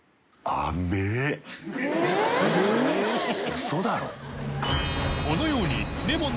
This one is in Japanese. ウソだろ？